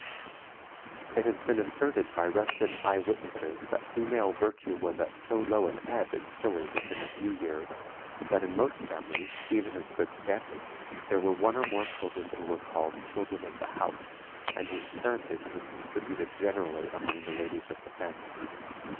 It has been asserted by resident eye witnesses that female virtue was at so low an ebb in Chili within a few years, that in most families, even of good standing, there were one or more children who were called "children of the house," and whose parentage was distributed generally among the ladies of the family.